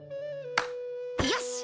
よし！